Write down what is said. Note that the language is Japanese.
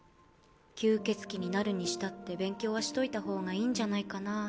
吸血鬼になるにしたって勉強はしといた方がいいんじゃないかなぁ。